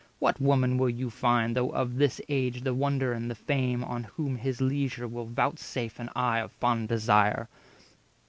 What woman will you find, Though of this age the wonder and the fame, On whom his leisure will voutsafe an eye 210 Of fond desire?